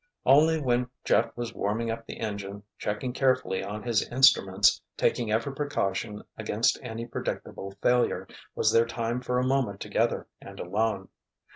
Only when Jeff was warming up the engine, checking carefully on his instruments, taking every precaution against any predictable failure, was there time for a moment together and alone.